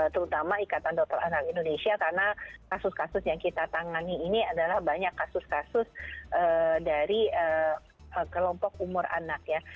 terutama ikatan dokter anak indonesia karena kasus kasus yang kita tangani ini adalah banyak kasus kasus dari kelompok umur anak ya